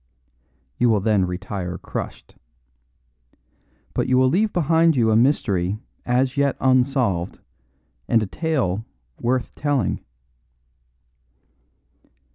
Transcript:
You will then retire crushed. But you will leave behind you a mystery as yet unsolved and a tale worth telling.